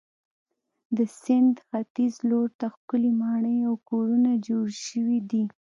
د سیند ختیځ لور ته ښکلې ماڼۍ او کورونه جوړ شوي دي.